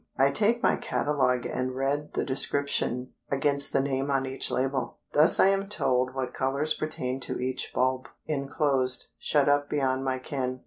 I take my catalogue and read the description against the name on each label. Thus I am told what colors pertain to each bulb, inclosed, shut up beyond my ken.